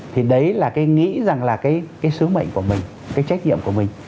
thì đấy là cái nghĩ rằng là cái sứ mệnh của mình cái trách nhiệm của mình